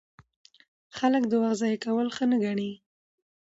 خلک د وخت ضایع کول ښه نه ګڼي.